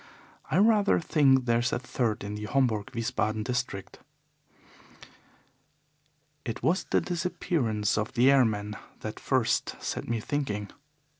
I rather think there is a third in the Homburg Wiesbaden district. "It was the disappearance of the airmen that first set me thinking.